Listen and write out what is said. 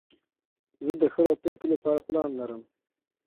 زه د ښه راتلونکي له پاره پلان لرم.